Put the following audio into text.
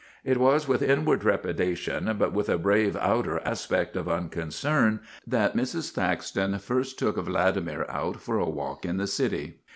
It was with inward trepidation but with a brave outer aspect of unconcern that Mrs. Thaxton first took Vladimir out for a walk in the city.